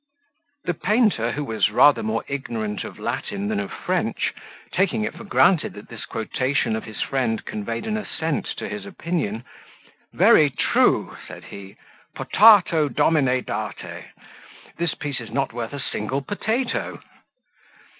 The painter, who was rather more ignorant of Latin than of French, taking it for granted that this quotation of his friend conveyed an assent to his opinion, "Very true," said he, "Potato domine date, this piece is not worth a single potato."